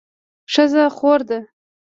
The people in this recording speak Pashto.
ښځه خور ده